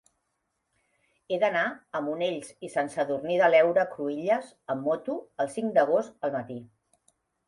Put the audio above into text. He d'anar a Monells i Sant Sadurní de l'Heura Cruïlles amb moto el cinc d'agost al matí.